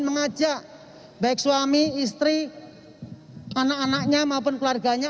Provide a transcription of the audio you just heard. dan mengajak baik suami istri anak anaknya maupun keluarganya